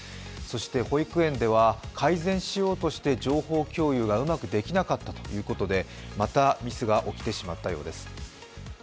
保育園では改善しようとして情報共有がうまくできなかったということでまたミスが起きてしまったようです。